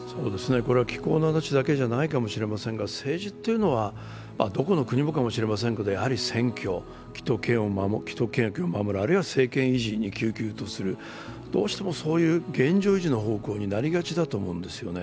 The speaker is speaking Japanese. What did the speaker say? これは気候の話だけじゃないかもしれませんが政治っていうのはどこの国もかもしれませんがやはり選挙、既得権益を守る、あるいは政権維持にきゅうきゅうとする、どうしてもそういう現状維持の方向になりがちだと思うんですよね。